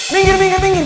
minggir minggir minggir